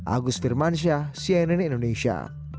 agus firmansyah cnn indonesia